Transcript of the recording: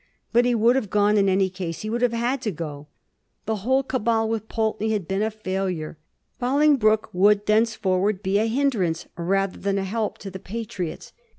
But he would have gone, in any case; he would have had to go. The whole cabal with Pulteney had been a failure; Bolingbroke would thenceforward be a hinderance rather than a help to the Patiiots.